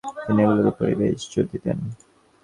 তিনি এগুলাের উপরই বেশি জোর দিতেন।